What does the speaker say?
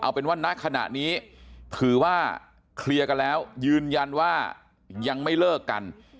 เอาเป็นว่าณขณะนี้ถือว่าเคลียร์กันแล้วยืนยันว่ายังไม่เลิกกัน